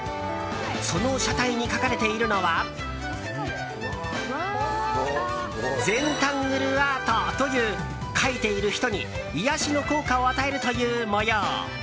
その車体に描かれているのはゼンタングルアートという描いている人に癒やしの効果を与えるという模様。